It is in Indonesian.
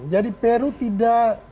jadi peru tidak